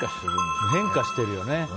変化してるよね。